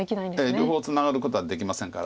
両方ツナがることはできませんから。